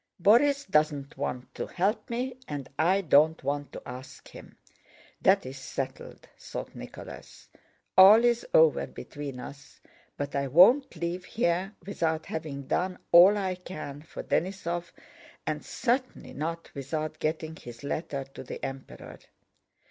"Borís doesn't want to help me and I don't want to ask him. That's settled," thought Nicholas. "All is over between us, but I won't leave here without having done all I can for Denísov and certainly not without getting his letter to the Emperor.